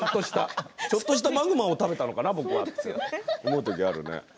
ちょっとしたマグマを食べたのかなって思う時あるよね。